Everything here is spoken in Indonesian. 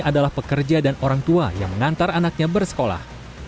adalah pekerja dan orang tua yang mengantar anaknya bersekolah